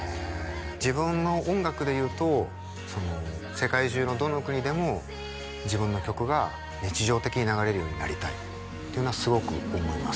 自分の音楽でいうと世界中のどの国でも自分の曲が日常的に流れるようになりたいっていうのはすごく思います